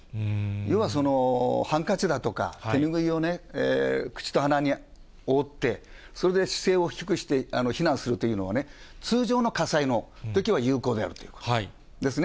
要はハンカチだとか手拭いを口と鼻を覆って、それで姿勢を低くして避難するというのは、通常の火災のときは有効であるということですね。